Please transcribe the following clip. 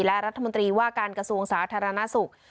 และรัฐมนตรีว่าการกระทรวงสาธารณสุข